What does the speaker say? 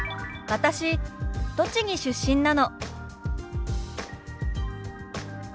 「私栃木出身なの」。